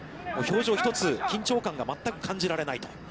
表情１つ緊張感が全く感じられないと。